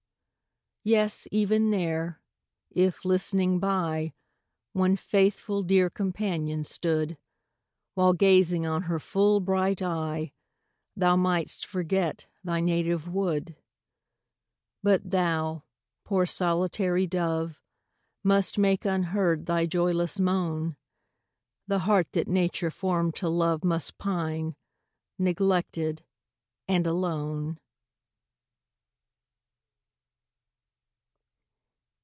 Yes, even there, if, listening by, One faithful dear companion stood, While gazing on her full bright eye, Thou mightst forget thy native wood But thou, poor solitary dove, Must make, unheard, thy joyless moan; The heart that Nature formed to love Must pine, neglected, and alone.